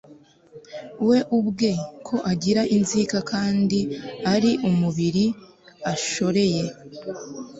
we ubwe, ko agira inzika, kandi ari umubiri ashoreye